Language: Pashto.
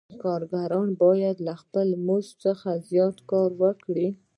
کارګران باید له خپل مزد زیات تولید وکړي